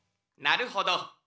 なるほど。